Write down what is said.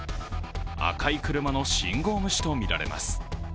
赤い車の信号無視とみられます。